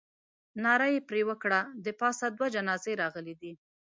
ناره یې پر وکړه. د پاسه دوه جنازې راغلې دي.